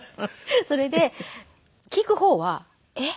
それで聞く方はえっ？